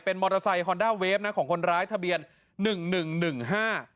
มอเตอร์ไซค์ฮอนด้าเวฟนะของคนร้ายทะเบียนหนึ่งหนึ่งหนึ่งห้า